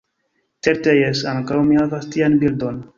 Certe jes, ankaŭ mi havas tian bildon.